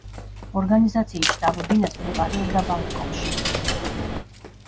ორგანიზაციის შტაბ-ბინაც მდებარეობდა ბანგკოკში.